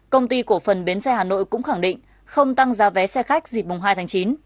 công ty cổ phần bến xe hà nội cũng khẳng định không tăng giá vé xe khách dịp mùng hai tháng chín